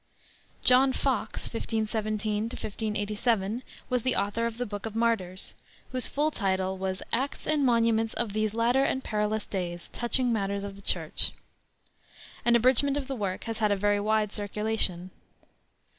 John Fox (1517 1587) was the author of the Book of Martyrs, whose full title was Acts and Monuments of these Latter and Perilous Days, Touching Matters of the Church. An abridgment of the work has had a very wide circulation.